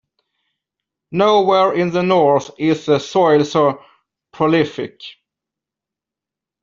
Nowhere in the North is the soil so prolific.